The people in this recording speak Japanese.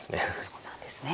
そうなんですね。